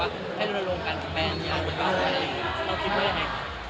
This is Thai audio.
ว่าให้เรารองกันกับแบบนี้แล้วคิดด้วยยังไง